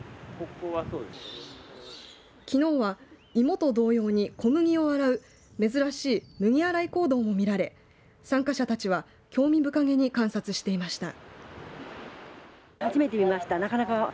きのうは芋と同様に小麦を洗う、珍しい麦洗い行動も見られ参加者たちは興味深げに観察していました。